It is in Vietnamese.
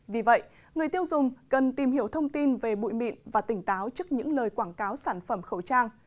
vì vậy người tiêu dùng cần tìm hiểu thông tin về bụi mịn và tỉnh táo trước những lời quảng cáo sản phẩm khẩu trang